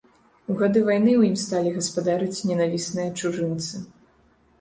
У гады вайны ў ім сталі гаспадарыць ненавісныя чужынцы.